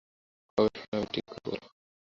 কবে শোনাবে ঠিক করে বলো।